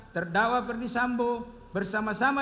terdakwa perdisambo bersama sama